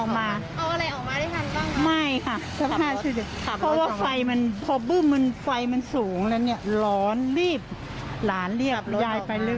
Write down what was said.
ไม่ได้ค่ะไม่ได้เดี๋ยวไปบ้านญาติ